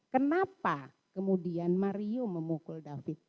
kenapa kemudian mario memukul david